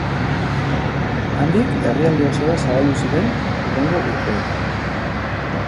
Handik herrialde osora zabaldu ziren hurrengo urteetan.